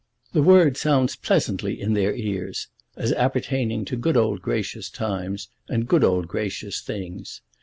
The word sounds pleasantly in their ears, as appertaining to good old gracious times and good old gracious things.